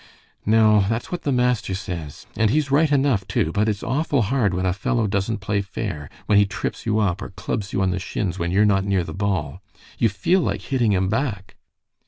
"No, that's what the master says. And he's right enough, too, but it's awful hard when a fellow doesn't play fair, when he trips you up or clubs you on the shins when you're not near the ball. You feel like hitting him back."